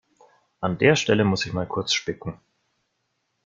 An der Stelle muss ich mal kurz spicken.